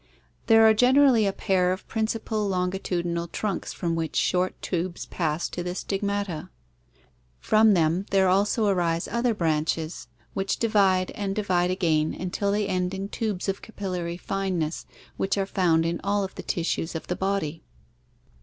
There are generally a pair of principal longitudinal trunks from which short tubes pass to the stigmata. From them INSECTS 447 there also arise other branches (see Fig. 18) which divide and divide again until they end in tubes of capillary fineness which are found in all of the tissues of the body.